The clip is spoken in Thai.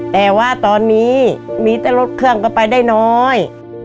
แต่ว่าตอนนี้มีแต่รถเครื่องก็ไปได้น้อย